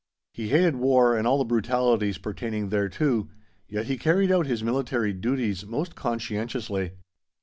He hated war and all the brutalities pertaining thereto, yet he carried out his military duties most conscientiously.